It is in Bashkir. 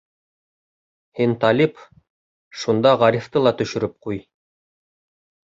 — Һин, Талип, шунда Ғарифты ла төшөрөп ҡуй.